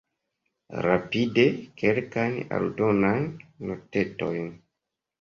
Rapide kelkajn aldonajn notetojn.